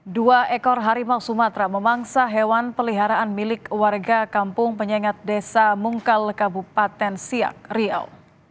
dua ekor harimau sumatera memangsa hewan peliharaan milik warga kampung penyengat desa mungkal kabupaten siak riau